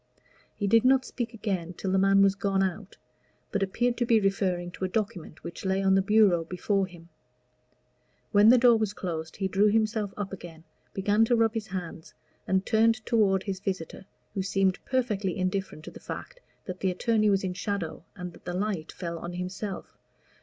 He did not speak again till the man was gone out, but appeared to be referring to a document which lay on the bureau before him. When the door was closed he drew himself up again, began to rub his hands, and turned toward his visitor, who seemed perfectly indifferent to the fact that the attorney was in shadow, and that the light fell on himself.